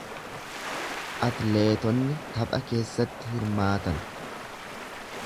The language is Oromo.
Atleetonni tapha keessatti hirmaatan.